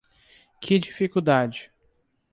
Que dificuldade?